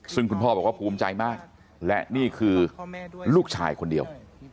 ซึ่งคุณพ่อบอกว่าภูมิใจมากและนี่คือลูกชายคนเดียว